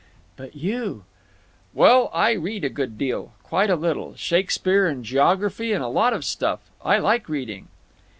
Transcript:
"But you—?" "Well, I read a good deal. Quite a little. Shakespeare and geography and a lot of stuff. I like reading."